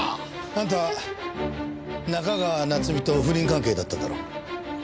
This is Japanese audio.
あんた中川夏美と不倫関係だったんだろ？